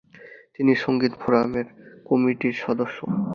তিনি সংগীত ফোরামের কমিটির সদস্য।